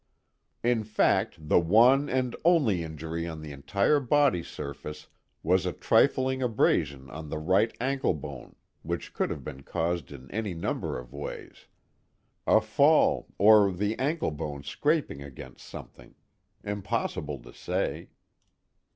In fact the one and only injury on the entire body surface was a trifling abrasion on the right anklebone, which could have been caused in any number of ways a fall, or the anklebone scraping against something: impossible to say.